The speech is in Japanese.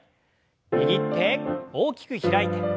握って大きく開いて。